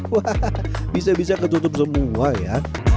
wah bisa bisa ketutup semua ya